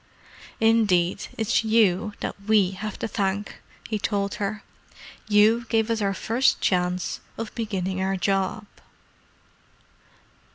"Indeed, it's you that we have to thank," he told her. "You gave us our first chance of beginning our job."